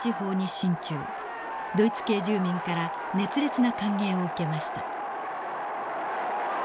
ドイツ系住民から熱烈な歓迎を受けました。